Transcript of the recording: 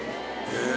へえ。